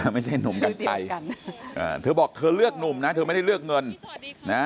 ไม่ใช่หนุ่มกัญชัยเธอบอกเธอเลือกหนุ่มนะเธอไม่ได้เลือกเงินนะ